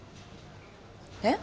えっ？